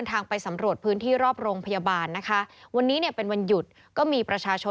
อังกฤษกรรมนี้พอจะพอยุทธทีของเรา